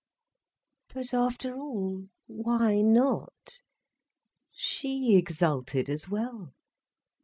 But after all, why not? She exulted as well.